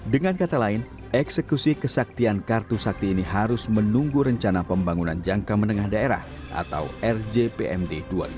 dengan kata lain eksekusi kesaktian kartu sakti ini harus menunggu rencana pembangunan jangka menengah daerah atau rjpmd dua ribu dua puluh